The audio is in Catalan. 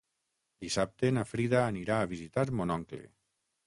Dissabte na Frida anirà a visitar mon oncle.